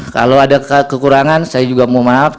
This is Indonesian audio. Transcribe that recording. kalau ada kekurangan saya juga mohon maaf